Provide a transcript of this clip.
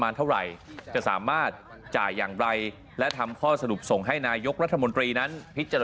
ถ้าใครไม่ชอบก็ใช้อย่างเดิมได้นะฮะไปฟังเสียงทางนายกรัฐมนตรีกันครับ